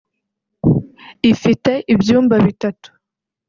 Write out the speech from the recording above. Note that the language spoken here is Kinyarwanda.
ifite ibyumba bitatu